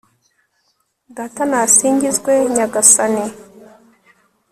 data, nasingizwe nyagasani